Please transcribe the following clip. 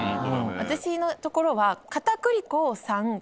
私のところは。